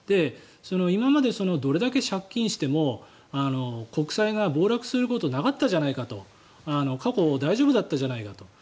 今まで、どれだけ借金しても国債が暴落することはなかったじゃないかと過去大丈夫だったじゃないかと。